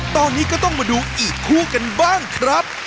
ตอนนี้ก็ต้องมาดูอีกคู่กันบ้างครับ